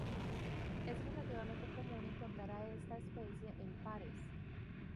Es relativamente común encontrar a esta especie en pares.